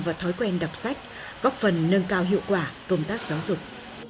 và thói quen đọc sách góp phần nâng cao hiệu quả công tác giáo dục